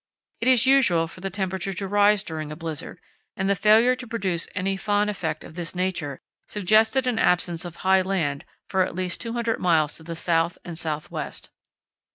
It is usual for the temperature to rise during a blizzard, and the failure to produce any Föhn effect of this nature suggested an absence of high land for at least 200 miles to the south and south west.